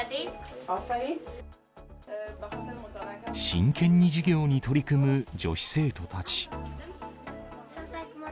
真剣に授業に取り組む女子生徒たち。